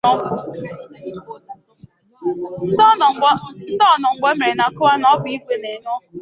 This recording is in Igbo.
Ndị ọnọmgbeomere na-akọwa na ọ bụ igwe na-enye ọkụ